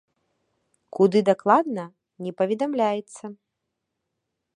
Куды дакладна, не паведамляецца.